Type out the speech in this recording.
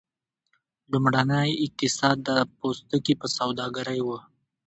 لومړنی اقتصاد د پوستکي په سوداګرۍ و.